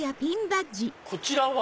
こちらは？